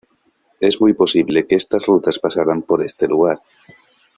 Es muy posible que estas rutas pasaran por este lugar.